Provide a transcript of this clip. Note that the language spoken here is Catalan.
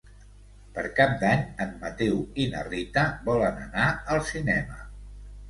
Per Cap d'Any en Mateu i na Rita volen anar al cinema.